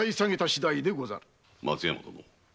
松山殿。